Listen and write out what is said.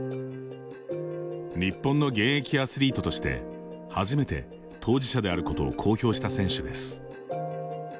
日本の現役アスリートとして初めて当事者であることを公表した選手です。